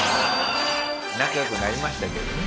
仲良くなれましたけどね。